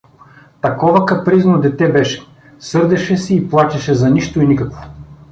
Такова капризно дете беше — сърдеше се и плачеше за нищо и никакво.